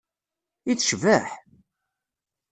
I tecbeḥ!